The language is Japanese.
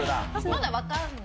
まだわかんない。